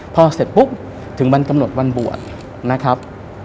พอเสร็จปุ๊บถึงวันกำหนดวันบวชนะครับ